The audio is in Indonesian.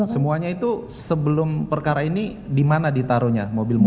semuanya itu sebelum perkara ini di mana ditaruhnya mobil